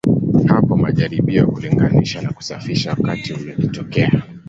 Hapo majaribio ya kulinganisha na kusafisha wakati yalitokea.